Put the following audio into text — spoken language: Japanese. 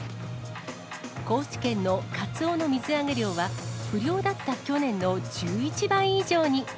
高知県のカツオの水揚げ量は、不漁だった去年の１１倍以上に。